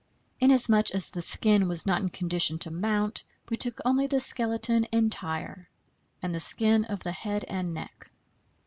Inasmuch as the skin was not in condition to mount, we took only the skeleton, entire, and the skin of the head and neck.